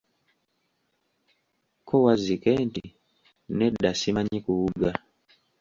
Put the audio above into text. Ko Wazzike nti, nedda simanyi kuwuga.